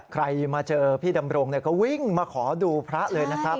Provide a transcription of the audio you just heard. มาเจอพี่ดำรงก็วิ่งมาขอดูพระเลยนะครับ